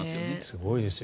すごいですよ。